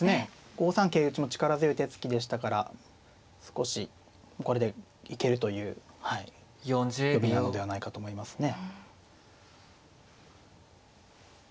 ５三桂打も力強い手つきでしたから少しこれで行けるという読みなのではないかと思いますね。